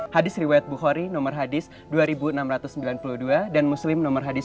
hadis riwayat bukhari nomor hadis dua ribu enam ratus sembilan puluh dua dan muslim nomor hadis dua